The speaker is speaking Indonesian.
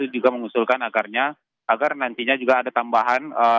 juga mengusulkan agarnya agar nantinya juga ada tambahan